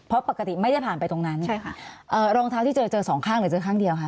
เพราะปกติไม่ได้ผ่านไปตรงนั้นใช่ค่ะเอ่อรองเท้าที่เจอเจอสองข้างหรือเจอข้างเดียวค่ะ